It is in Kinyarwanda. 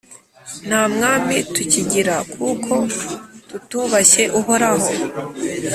Nta mwami tukigira kuko tutubashye Uhoraho.